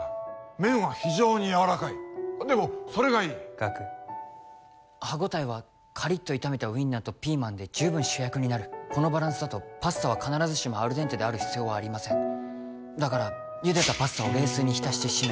麺は非常にやわらかいでもそれがいい岳歯応えはカリッと炒めたウインナーとピーマンで十分主役になるこのバランスだとパスタは必ずしもアルデンテである必要はありませんだからゆでたパスタを冷水にひたして締め